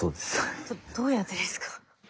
どうやってですか？